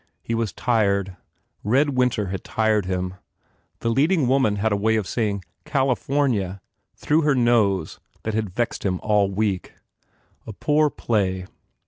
He was tired. "Red Winter" had tired him. The leading woman had a way of 58 FULL BLOOM saying "California" through her nose that had vexed him all week. A poor play.